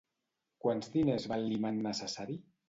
Quants diners val l'imant necessari?